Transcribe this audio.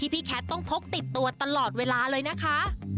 พี่แคทต้องพกติดตัวตลอดเวลาเลยนะคะ